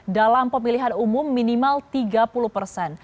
dalam pemilihan umum minimal tiga puluh persen